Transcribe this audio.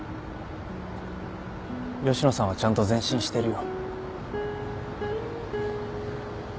吉野さんはちゃんと前進してるよ。